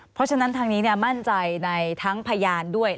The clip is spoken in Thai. เพราะฉะนั้นทางนี้มั่นใจในทั้งพยานด้วย